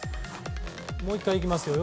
もう１回いきますよ。